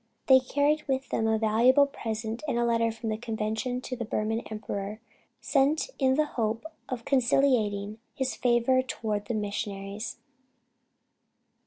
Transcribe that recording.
They carried with them a valuable present and a letter from the Convention to the Burman emperor, sent in the hope of conciliating his favor toward the missionaries.